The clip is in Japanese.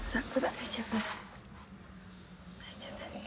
大丈夫？